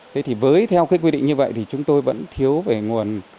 thế thì với theo cái quy định như vậy thì chúng tôi vẫn thiếu về nguồn